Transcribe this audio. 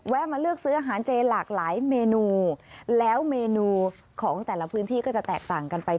มาเลือกซื้ออาหารเจหลากหลายเมนูแล้วเมนูของแต่ละพื้นที่ก็จะแตกต่างกันไป